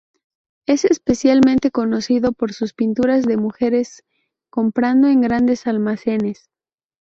Es especialmente conocido por sus pinturas de mujeres comprando en grandes almacenes.